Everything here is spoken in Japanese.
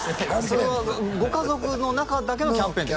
それはご家族の中だけのキャンペーンですか？